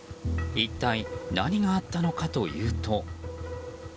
一体何があったのかというと。